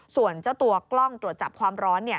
ส่วนเจ้าตัวกล้องตรวจจับความร้อน